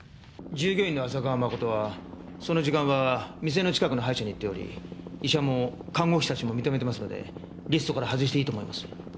従業員の浅川真はその時間は店の近くの歯医者に行っており医者も看護師たちも認めてますのでリストから外していいと思います。